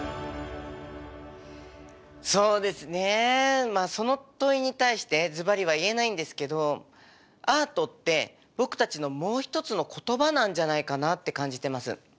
そうですねまあその問いに対してズバリは言えないんですけどアートって僕たちのもう一つの言葉なんじゃないかなって感じてます。